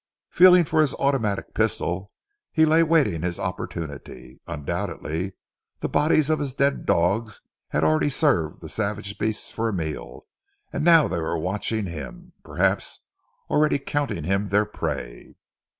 Feeling for his automatic pistol, he lay waiting his opportunity. Undoubtedly, the bodies of his dead dogs had already served the savage beasts for a meal, and now they were watching him, perhaps already counting him their prey.